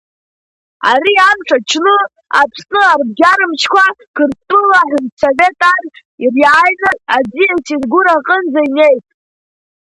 Ари амш аҽны Аԥсны арбџьармчқәа Қыртҭәыла Аҳәынҭсовет ар ириааины аӡиас Ингәыр аҟынӡа инеит.